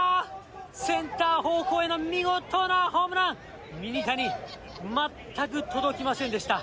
センター方向への見事なホームラン、ミニタニ、全く届きませんでした。